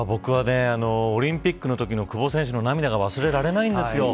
オリンピックのときの久保選手の涙が忘れられません。